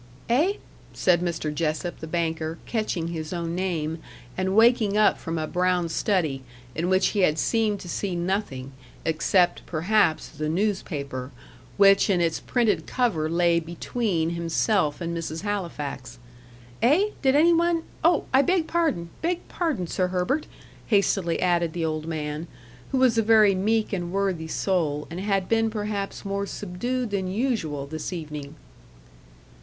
"Eh?" said Mr. Jessop the banker, catching his own name, and waking up from a brown study, in which he had seemed to see nothing except, perhaps, the newspaper, which, in its printed cover, lay between himself and Mrs. Halifax. "Eh? did any one Oh, I beg pardon beg pardon Sir Herbert," hastily added the old man; who was a very meek and worthy soul, and had been perhaps more subdued than usual this evening.